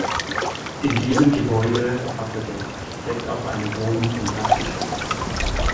In diesem Gebäude hatte der Architekt auch eine Wohnung im Dachgeschoss.